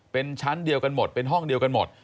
เป็นชั้นเดียวกันหมดเป็นห้องเดียวกันหมด